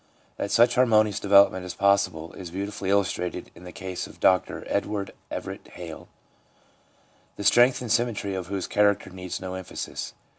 That such harmonious development is possible is beautifully illus trated in the case of Dr Edward Everett Hale, the strength and symmetry of whose character needs no emphasis.